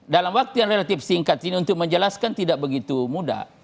dalam waktu yang relatif singkat ini untuk menjelaskan tidak begitu mudah